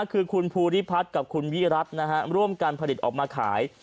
คือคุณภูริพัฒน์กับคุณวิรัติร่วมการผลิตออกมาขาย